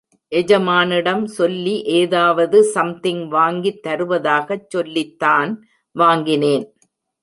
எஜமானிடம் சொல்லி ஏதாவது சம்திங் வாங்கித் தருவதாகச் சொல்லித்தான் வாங்கினே.